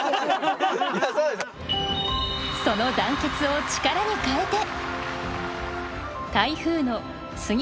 その団結を力に変えて。